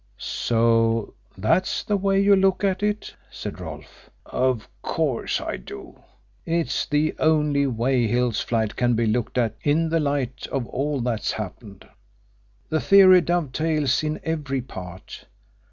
"So that's the way you look at it?" said Rolfe. "Of course I do! It's the only way Hill's flight can be looked at in the light of all that's happened. The theory dovetails in every part.